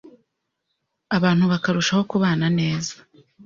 abantu bakarushaho kubana neza